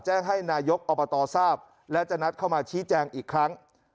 ให้นายกอบตทราบและจะนัดเข้ามาชี้แจงอีกครั้ง